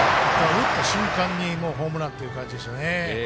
打った瞬間にホームランっていう感じでしたね。